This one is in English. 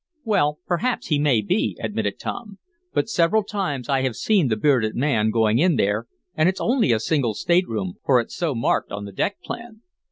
"Well, perhaps he may be," admitted Tom. "But several times I have seen the bearded man going in there, and it's only a single stateroom, for it's so marked on the deck plan."